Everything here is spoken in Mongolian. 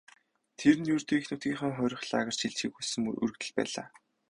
Тэр нь ердөө эх нутгийнхаа хорих лагерьт шилжихийг хүссэн өргөдөл байлаа.